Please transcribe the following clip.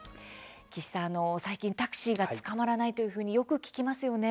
岸さん、最近タクシーがつかまらないというのはよく聞きますよね。